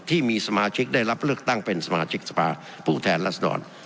ที่มีสมาชิกได้รับเลือกตั้งเป็นสมาชิกสภาผู้แทนรัศดร